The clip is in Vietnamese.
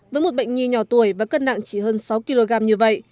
với một bệnh nhi nhỏ tuổi và cân nặng chỉ hơn sáu kg như vậy